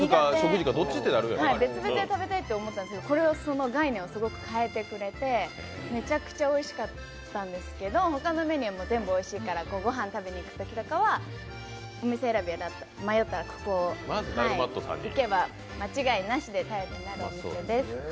別々に食べたいと思ってたんですが、これはその概念を変えてくれてめちゃくちゃおいしかったんですけど他のメニューも全部おいしいからご飯、食べに行くときとかはお店選び迷ったら、ここに行けば間違いなしで頼りになるお店です。